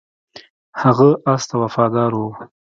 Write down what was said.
هغه اس ته وفادار و.